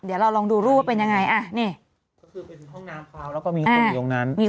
เดี๋ยวเราลองดูรูปเป็นอย่างไรนี่